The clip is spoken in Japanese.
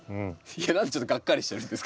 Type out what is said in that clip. いや何でちょっとガッカリしてるんですか？